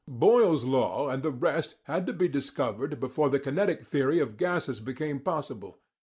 Boyle's law and the rest had to be discovered before the kinetic theory of gases became possible.